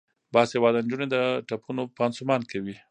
باسواده نجونې د ټپونو پانسمان کوي.